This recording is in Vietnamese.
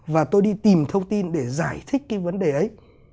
và tôi đi tìm thông tin để giải thích cái vấn đề ấy